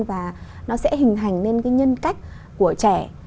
và nó sẽ hình hành lên cái nhân cách của trẻ